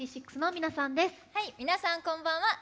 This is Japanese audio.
皆さんこんばんは。